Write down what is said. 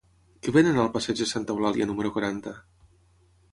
Què venen al passeig de Santa Eulàlia número quaranta?